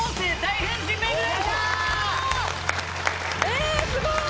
えすごい！